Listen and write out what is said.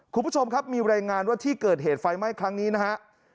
คุณผู้ชมครับมีรายงานว่าที่เกิดเหตุไฟไหม้ครั้งนี้นะฮะ